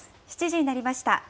７時になりました。